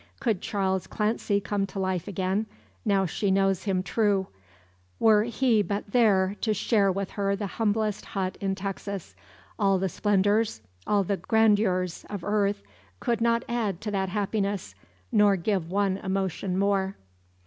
Could Charles Clancy come to life again, now she knows him true were he but there to share with her the humblest hut in Texas, all the splendours, all the grandeurs of earth, could not add to that happiness, nor give one emotion more.